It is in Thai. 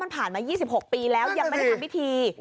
ผ่านมา๒๖ปีแล้วยังไม่ได้ทำพิธี